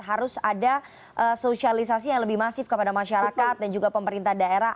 harus ada sosialisasi yang lebih masif kepada masyarakat dan juga pemerintah daerah